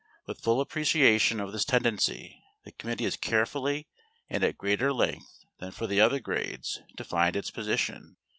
With full appreciation of this tendency, the committee has carefully and at greater length than for the other grades, defined its position.